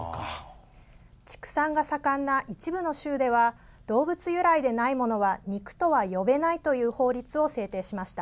畜産が盛んな一部の州では動物由来でないものは肉とは呼べないという法律を制定しました。